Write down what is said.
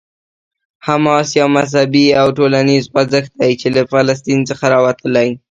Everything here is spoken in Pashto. حماس یو مذهبي او ټولنیز خوځښت دی چې له فلسطین څخه راوتلی.